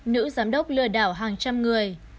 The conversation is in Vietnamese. nữ giám đốc lừa đảo hàng trăm người